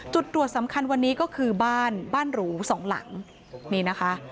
จุดตรวจสำคัญวันนี้ก็คือบ้านบ้านหรูสองหลังนี่นะคะ